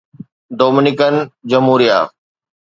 Dominican جمهوريه